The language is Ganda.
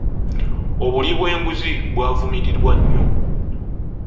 Obuli bw'enguzi bwavumirirwa nnyo.